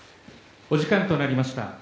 お時間となりました。